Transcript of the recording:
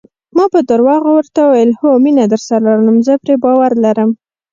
ما په درواغو ورته وویل: هو، مینه درسره لرم، زه پرې باور لرم.